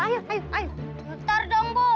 ngapain kamu di situ